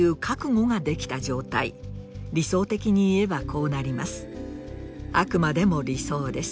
理想的に言えばこうなります。